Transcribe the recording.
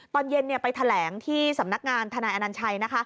ตอนเย็นเนี่ยไปแถลงที่สำนักงานท่านายอนัญชัยนะคะ